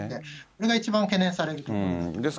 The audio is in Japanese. それが一番懸念されるところだと思います。